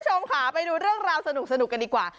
คุณผู้ชมค่ะไปดูเรื่องราวสนุกกันดีกว่า